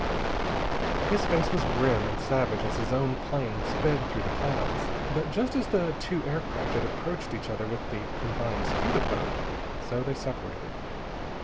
His face was grim and savage as his own plane sped through the clouds. But just as the two aircraft had approached each other with the combined speed of both, so they separated.